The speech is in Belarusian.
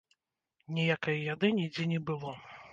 Ніякай яды нідзе не было.